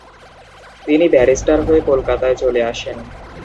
তিনি ব্যারিস্টার হয়ে কলকাতায় চলে আসেন।